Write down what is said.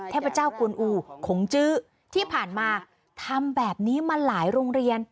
เทพเจ้ากวนอูขงจื้อที่ผ่านมาทำแบบนี้มาหลายโรงเรียน